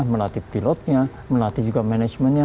melatih pilotnya melatih juga manajemennya